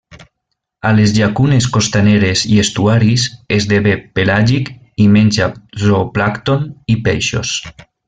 A les llacunes costaneres i estuaris esdevé pelàgic i menja zooplàncton i peixos.